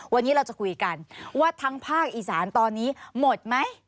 วันนี้เราจะคุยกันว่าทั้งภาคอีสานตอนนี้หมดไหม